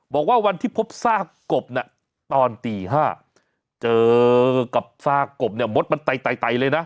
บอกว่าวันที่พบซากกบเนี่ยตอนตี๕เจอกับซากกบเนี่ยมดมันไตเลยนะ